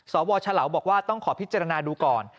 สวฉลาวบอกว่าต้องขอพิจารณาดูก่อน